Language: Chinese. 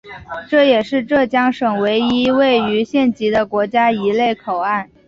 这也是浙江省唯一位于县级的国家一类口岸。